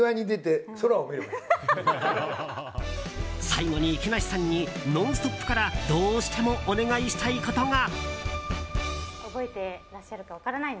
最後に木梨さんに「ノンストップ！」からどうしてもお願いしたいことが。